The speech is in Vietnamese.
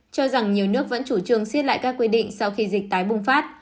cho rằng nhiều nước vẫn chủ trương xiết lại các quy định sau khi dịch tái bùng phát